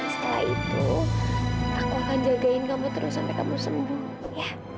setelah itu aku akan jagain kamu terus sampai kamu sembuh